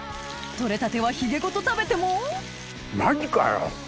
取れたてはひげごと食べてもマジかよ！